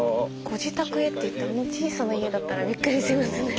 「ご自宅へ」ってあの小さな家だったらびっくりしますね。